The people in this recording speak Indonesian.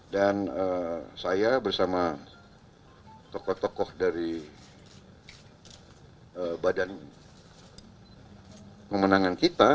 dan saya bersama tokoh tokoh dari badan pemenangan kita